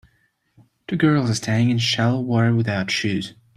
Two girls are standing in shallow water without shoes.